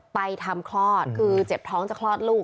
ไปทำคลอดคือเจ็บท้องจะคลอดลูก